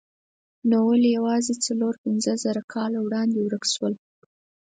نو ولې یوازې څلور پنځه زره کاله وړاندې ورک شول؟